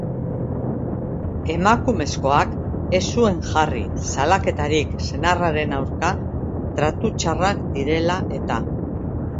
Emakumezkoak ez zuen jarri salaketarik senarraren aurka tratu txarrak direla eta.